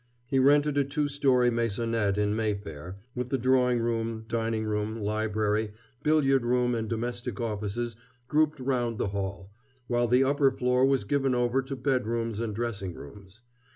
He rented a two story maisonette in Mayfair, with the drawing room, dining room, library, billiard room and domestic offices grouped round the hall, while the upper floor was given over to bedrooms and dressing rooms.